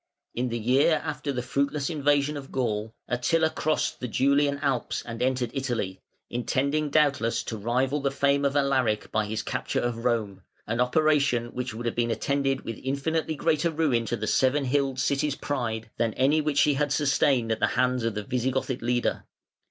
In the year after the fruitless invasion of Gaul, Attila crossed the Julian Alps and entered Italy, intending (452) doubtless to rival the fame of Alaric by his capture of Rome, an operation which would have been attended with infinitely greater ruin to "the seven hilled city's pride", than any which she had sustained at the hands of the Visigothic leader.